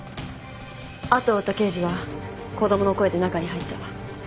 後を追った刑事は子供の声で中に入った。